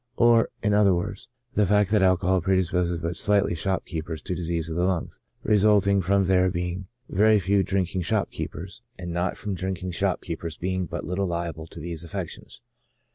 Or, in other words, the fact that alcohol predisposes but slightly shop keepers to disease of the lungs, results from there being very few drinking shopkeepers, and not from drinking shopkeepers being but little liable to these aff'ections.